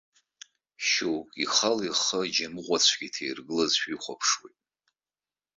Шьоукгьы ихала ихы аџьамыӷәацәгьа иҭаиргылазшәа ихәаԥшуеит.